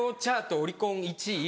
オリコン１位。